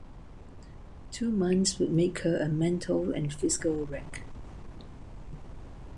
Two months would make her a mental and physical wreck.